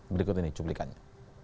berikut ini cuplikannya